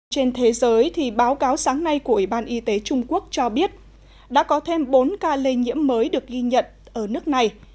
trên thế giới thì báo cáo sáng nay của ủy ban y tế trung quốc cho biết đã có thêm bốn ca lây nhiễm mới được ghi nhận ở nước này